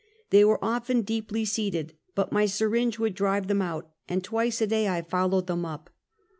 They were often deeply seated, but my syringe would drive them out, and twice a day I followed them up.